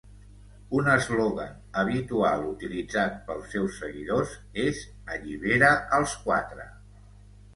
Un eslògan habitual utilitzat pels seus seguidors és Allibera als Quatre.